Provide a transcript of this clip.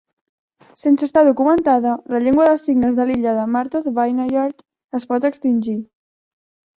Sense estar documentada, la llengua de signes de l'illa de Martha's Vineyard es pot extingir.